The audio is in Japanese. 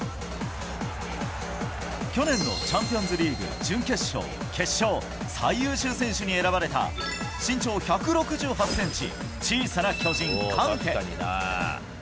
去年のチャンピオンズリーグ準決勝、決勝最優秀選手に選ばれた身長１６８ｃｍ、小さな巨人カンテ。